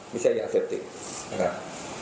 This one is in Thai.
ไม่ใช่ยาเสพติดนะครับ